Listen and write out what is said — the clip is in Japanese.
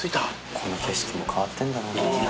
この景色も変わってんだろうな。